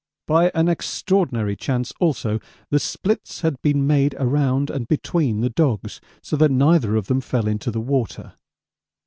By an extraordinary chance also, the splits had been made around and between the dogs, so that neither of them fell into the water.